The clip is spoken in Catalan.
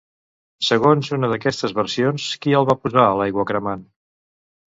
Segons una d'aquestes versions, qui el va posar a l'aigua cremant?